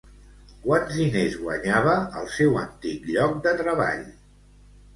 Quants diners guanyava al seu antic lloc de treball?